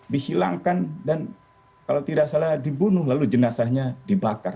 dihilangkan dan kalau tidak salah dibunuh lalu jenazahnya dibakar